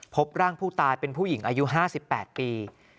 พบร่างผู้ตายเป็นผู้หญิงอายุ๕๘ปี